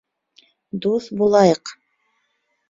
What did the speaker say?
ДУҪ БУЛАЙЫҠ